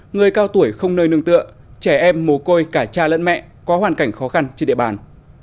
người cao tuổi không nơi nương tựa trẻ em mồ côi cả cha lẫn mẹ có hoàn cảnh khó khăn trên địa bàn